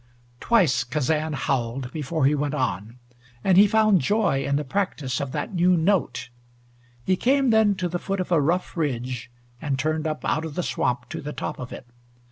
Twice Kazan howled before he went on, and he found joy in the practise of that new note. He came then to the foot of a rough ridge, and turned up out of the swamp to the top of it.